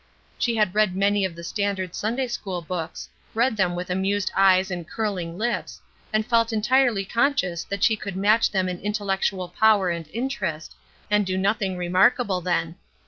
She had read many of the standard Sunday school books; read them with amused eyes and curling lips, and felt entirely conscious that she could match them in intellectual power and interest, and do nothing remarkable then.